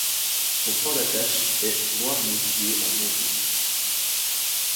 Son port d'attache est Noirmoutier en Vendée.